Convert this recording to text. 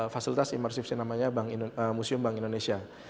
fakultas immersive scene namanya museum bank indonesia